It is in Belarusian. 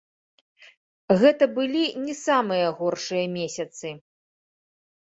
Гэта былі не самыя горшыя месяцы.